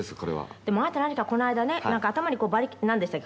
「でもあなた何かこの間ね頭になんでしたっけ？